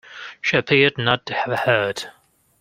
She appeared not to have heard.